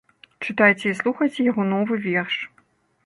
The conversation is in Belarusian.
Чытайце і слухайце яго новы верш.